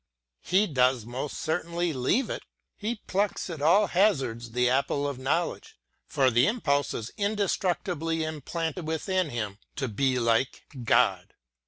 He does most certainly leave it; he plucks at all hazards the apple of knowledge, for the impulse is indestructibly implanted within him, to be like God.